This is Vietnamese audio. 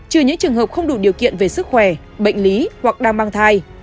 trừ những trường hợp không đủ điều kiện về sức khỏe bệnh lý hoặc đang mang thai